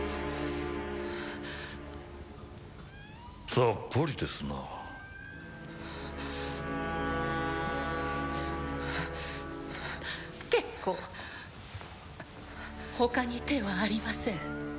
さっぱりですな結構他に手はありません